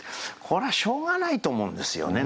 これはしょうがないと思うんですよね